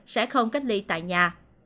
sẽ không cách ly tại nhà